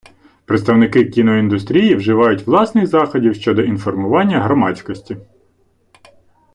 Представники кіноіндустрії вживають власних заходів, щодо інформування громадськосі.